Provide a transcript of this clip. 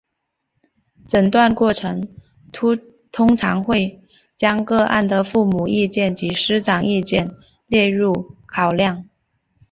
诊断过程通常会将个案的父母意见及师长意见列入考量。